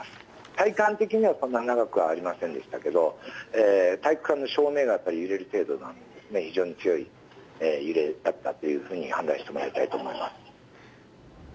体感的にはそんなに長くはありませんでしたけど、体育館の照明が揺れる程度、非常に強い揺れだったと判断してもらっていいと思います。